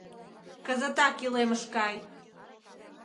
Кызытак илемыш кай!